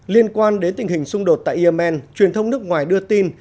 liên quan đến tình hình xung đột tại yemen truyền thông nước ngoài đưa tin